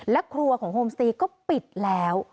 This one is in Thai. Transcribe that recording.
และครัวของโฮมสตรีก็ปิดแล้ว